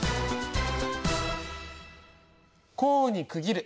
項に区切る。